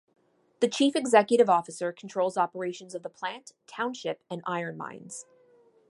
The chief executive officer controls operations of the plant, township and iron mines.